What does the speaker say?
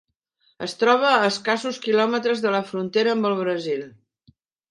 Es troba a escassos quilòmetres de la frontera amb el Brasil.